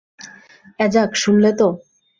অ্যাজাক, শুনলে তো?